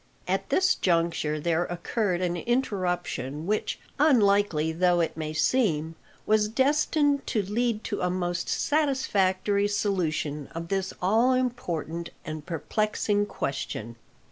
At this juncture there occurred an interruption which, unlikely though it may seem, was destined to lead to a most satisfactory solution of this all important and perplexing question.